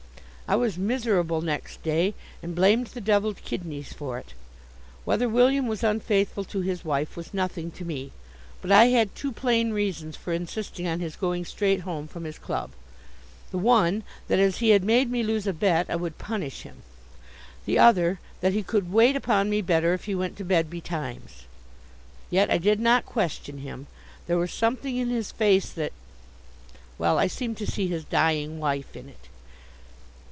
I was miserable next day and blamed the devilled kidneys for it. Whether William was unfaithful to his wife was nothing to me, but I had two plain reasons for insisting on his going straight home from his club: the one, that, as he had made me lose a bet, I would punish him; the other, that he could wait upon me better if he went to bed betimes. Yet I did not question him. There was something in his face that . Well, I seemed to see his dying wife in it.